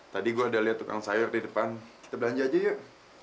tadi gue udah lihat tukang sayur di depan kita belanja aja yuk